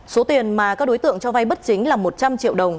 số tiền mà các đối tượng cho vay bất chính là một trăm linh triệu đồng